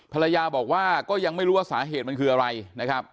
ภรรยาบอกว่าก็ยังไม่รู้ว่าสาเหตุมันคืออะไรนะครับ